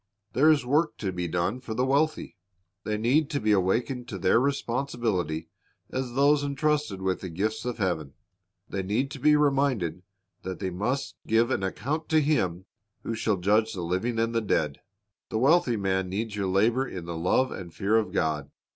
There is a work to be done for the wealthy. They need to be awakened to their responsibility as those entrusted with the gifts of heaven. They need to be reminded that they must give an account to Him who shall judge the living and the dead. The wealthy man needs your labor in the love and fear of God.